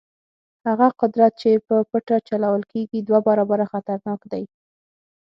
هغه قدرت چې په پټه چلول کېږي دوه برابره خطرناک دی.